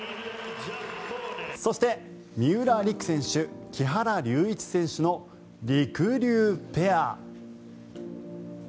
そして、三浦璃来選手木原龍一選手のりくりゅうペア。